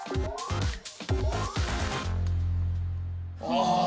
ああ。